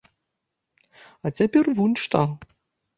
А цяпер вунь што!